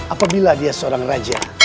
apabila dia seorang raja